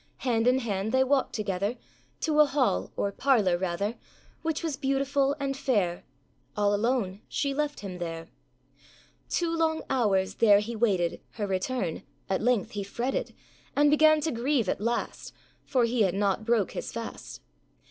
Hand in hand they walked together, To a hall, or parlour, rather, Which was beautiful and fair,â All alone she left him there. Two long hours there he waited Her return; âat length he fretted, And began to grieve at last, For he had not broke his fast.